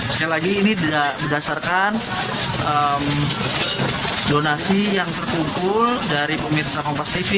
sekali lagi ini berdasarkan donasi yang terkumpul dari pemirsa kompas tv